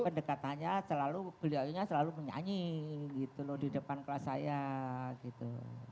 pendekatannya selalu beliau nya selalu menyanyi gitu loh di depan kelas saya gitu